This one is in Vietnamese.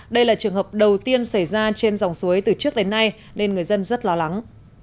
đây là trường hợp đầu tiên xảy ra trên dòng suối từ trước đến nay nên người dân rất lo lắng